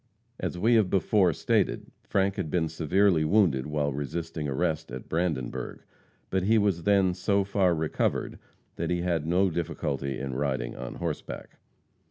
As we have before stated, Frank had been severely wounded while resisting arrest at Brandenburg; but he was then so far recovered that he had no difficulty in riding on horseback.